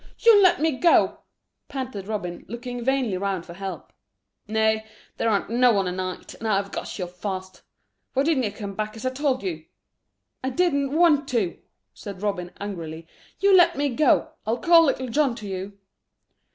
"You let me go," panted Robin, looking vainly round for help. "Nay, there aren't no one a nigh, and I've got yer fast. Why didn't yer come back as I told you?" "I didn't want to," said Robin angrily. "You let me go. I'll call Little John to you."